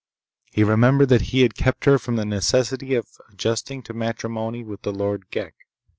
He remembered that he had kept her from the necessity of adjusting to matrimony with the Lord Ghek.